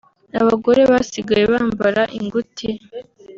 abagore basigaye bambara ingutiya